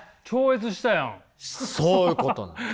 そういうことなんです。